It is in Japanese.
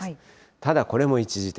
ただ、これも一時的。